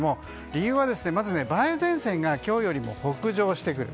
理由はまず梅雨前線が今日よりも北上してくる。